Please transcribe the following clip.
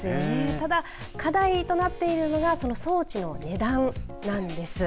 ただ、課題となっているのが装置の値段なんです。